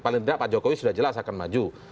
paling tidak pak jokowi sudah jelas akan maju